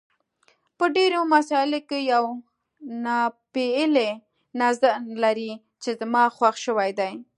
په ډېرو مسایلو کې یو ناپېیلی نظر لري چې زما خوښ شوی دی.